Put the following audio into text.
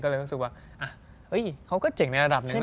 ก็เลยรู้สึกว่าเฮ้ยเขาก็เจ๋งในระดับหนึ่ง